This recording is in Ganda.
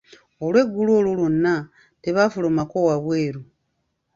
Olwegguulo olwo lwonna, tebaafulumako wabweru.